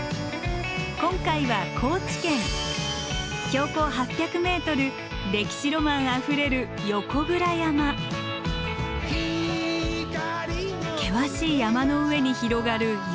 今回は高知県標高８００ｍ歴史ロマンあふれる険しい山の上に広がる豊かな森。